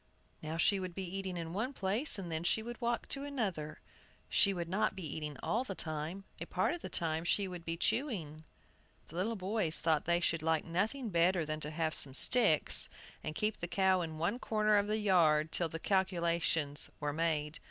Now she would be eating in one place, and then she would walk to another. She would not be eating all the time, a part of the time she would be chewing." The little boys thought they should like nothing better than to have some sticks, and keep the cow in one corner of the yard till the calculations were made.